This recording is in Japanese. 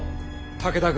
武田軍